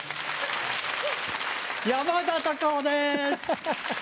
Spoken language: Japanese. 山田隆夫です。